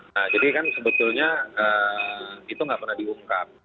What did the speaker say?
nah jadi kan sebetulnya itu nggak pernah diungkap